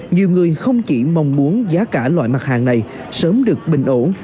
nhiều người không chỉ mong muốn giá cả loại mặt hàng này sớm được bình ổn